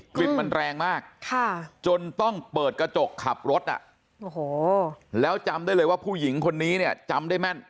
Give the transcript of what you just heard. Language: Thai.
กลิ่นมันแรงมากจนต้องเปิดกระจกขับรถอ่ะโอ้โหแล้วจำได้เลยว่าผู้หญิงคนนี้เนี่ยจำได้แม่น